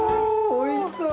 おいしそ！